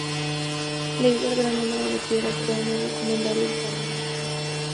Debido al gran número de piedras que hay, no es recomendable ir con niños.